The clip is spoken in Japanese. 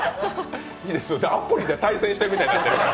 アプリで対戦してるみたいになってる。